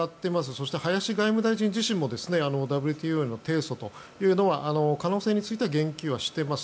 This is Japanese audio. そして林外務大臣自身もＷＴＯへの提訴可能性については言及はしています。